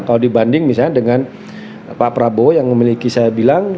kalau dibanding misalnya dengan pak prabowo yang memiliki saya bilang